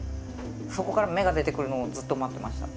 そこから芽が出てくるのをずっと待ってました。